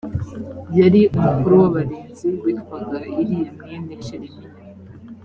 yari umukuru w abarinzi witwaga iriya mwene shelemiya